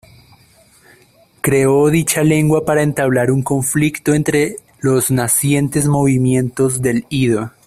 Creó dicha lengua para entablar un conflicto entre los nacientes movimientos del ido.